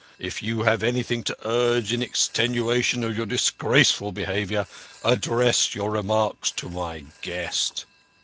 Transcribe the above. If you have anything to urge in extenuation of your disgraceful behaviour, address your remarks to my guest."